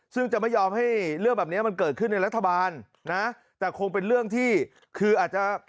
ซึ่งจะไม่ยอมให้เรื่องแบบนี้มันเกิดขึ้นในรัฐบาลนะแต่คงเป็นเรื่องที่คืออาจจะ